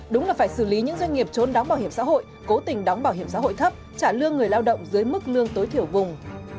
đúng là phải xử lý những doanh nghiệp trốn đóng bảo hiểm xã hội cố tình đóng bảo hiểm xã hội thấp trả lương người lao động dưới mức lương tối thiểu vùng